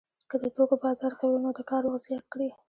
که د توکو بازار ښه وي نو د کار وخت زیات کړي